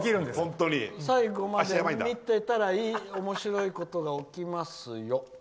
最後まで見てたらおもしろいことが起きますよ。